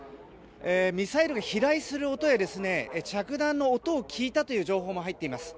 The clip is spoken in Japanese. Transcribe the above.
ミサイルが飛来する音や着弾の音を聞いたという情報も入っています。